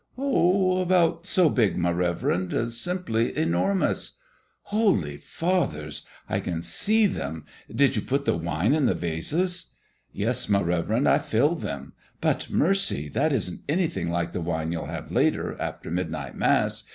"Oh, about so big, my reverend; simply enormous " "Holy Fathers! I can just see them. Did you put the wine in the vases?" "Yes, my reverend, I filled them; but mercy! that isn't anything like the wine you'll have later, after midnight Mass.